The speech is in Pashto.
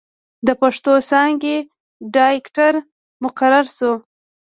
َد پښتو څانګې ډائرکټر مقرر شو